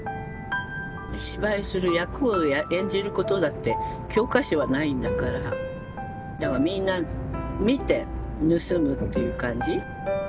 芝居する役を演じることだって教科書はないんだからだからみんな見て盗むっていう感じ。